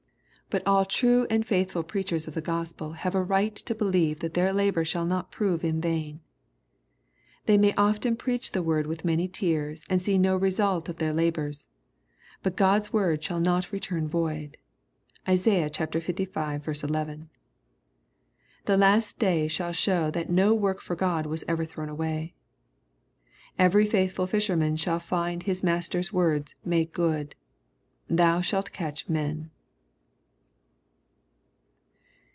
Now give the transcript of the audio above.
But all true and faJthfu] LTJKB, CHAP. V. 185 preachers of the Gospel have aright to believe that their labor shall not prove in vain. They may often preach the Word with many tears, and see no result of their labor. But God's word shall not return void. (Isai. Iv. 11.) The last day shall show that no work for God was ever thrown away. Every faithful fisherman shall find his Master's words made good :" Thou shalt catch men."